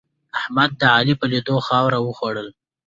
احمد د علي په لیدو خاوره وخرله.